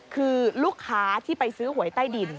คือลูกค้าที่ไปซื้อหวยใต้ดิน